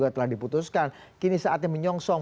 telah diputuskan kini saatnya menyongsong